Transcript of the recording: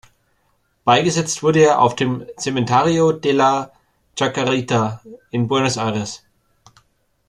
Beigesetzt wurde er auf dem Cementerio de la Chacarita in Buenos Aires.